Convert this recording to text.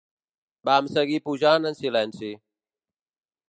Vam seguir pujant en silenci.